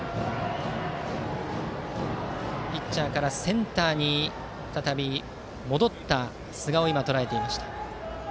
ピッチャーからセンターに再び戻った寿賀をとらえました。